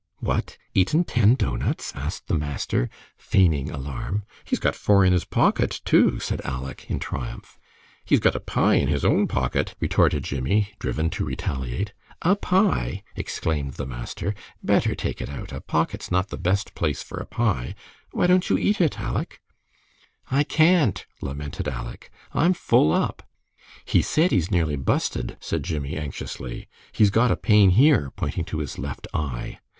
"What! eaten ten doughnuts?" asked the master, feigning alarm. "He's got four in his pocket, too," said Aleck, in triumph. "He's got a pie in his own pocket," retorted Jimmie, driven to retaliate. "A pie!" exclaimed the master. "Better take it out. A pocket's not the best place for a pie. Why don't you eat it, Aleck?" "I can't," lamented Aleck. "I'm full up." "He said he's nearly busted," said Jimmie, anxiously. "He's got a pain here," pointing to his left eye.